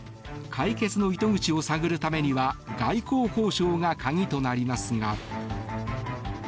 解決の糸口を探るためには外交交渉が鍵となりますが。